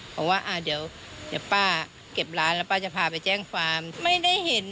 บอกว่าอ่าเดี๋ยวเดี๋ยวป้าเก็บร้านแล้วป้าจะพาไปแจ้งความไม่ได้เห็น